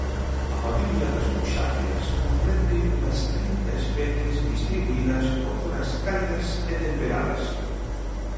A familia das buxáceas comprende unhas trinta especies distribuídas por zonas cálidas e temperadas.